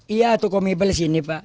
iya toko mebel sini pak